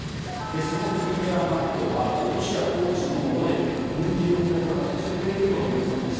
そのクリミア半島はロシア統治のもとで軍事要塞化が進んでいるということです。